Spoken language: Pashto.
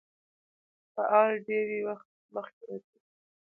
فاعل ډېرى وخت مخکي راځي.